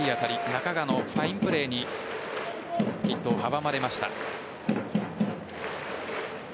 中川のファインプレーにヒットを阻まれました。